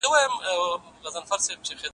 کرکه او تعصب باید پای ومومي.